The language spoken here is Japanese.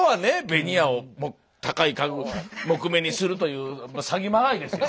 ベニヤを高い家具木目にするという詐欺まがいですよ